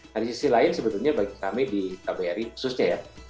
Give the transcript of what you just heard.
nah di sisi lain sebetulnya bagi kami di kbri khususnya ya